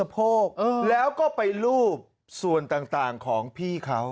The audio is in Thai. เป็นรูปส่วนต่างของพี่เขา